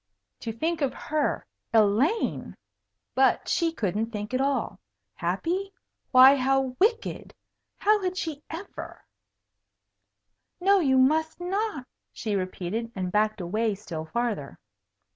To think of her Elaine! but she couldn't think at all. Happy? Why, how wicked! How had she ever "No, you must not," she repeated, and backed away still farther.